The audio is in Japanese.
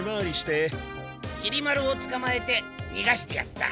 きり丸をつかまえてにがしてやった。